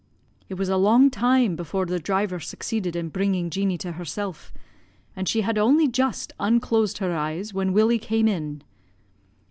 "It was a long time before the driver succeeded in bringing Jeanie to herself, and she had only just unclosed her eyes when Willie came in.